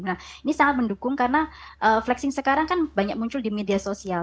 nah ini sangat mendukung karena flexing sekarang kan banyak muncul di media sosial